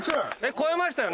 超えましたよね？